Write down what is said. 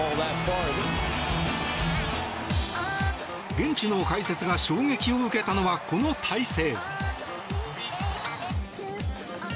現地の解説が衝撃を受けたのはこの体制。